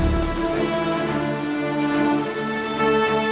pertahankan ayam lolong mas